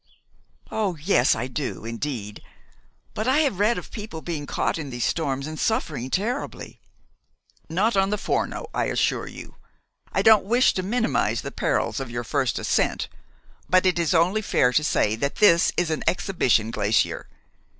"Oh, yes. I do, indeed. But I have read of people being caught in these storms and suffering terribly." "Not on the Forno, I assure you. I don't wish to minimize the perils of your first ascent; but it is only fair to say that this is an exhibition glacier.